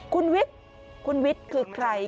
คุณวิทย์คุณวิทย์คือใคร